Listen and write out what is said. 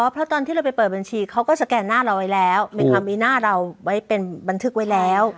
เพราะตอนที่เราไปเปิดบัญชีเขาก็สแกนหน้าเราไว้แล้วมีความมีหน้าเราไว้เป็นบันทึกไว้แล้ว